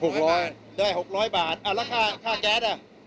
๖๐๐บาทด้วย๖๐๐บาทแล้วค่าแก๊สอ่ะ